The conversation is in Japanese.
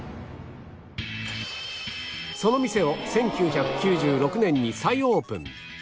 その店を１９９６年に再オープン